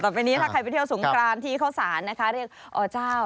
ต่อไปนี้ถ้าใครไปเที่ยวสงครามที่เขาศาลเรียกอเจ้า